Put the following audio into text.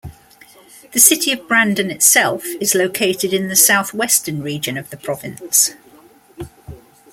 The City of Brandon itself is located in the southwestern region of the province.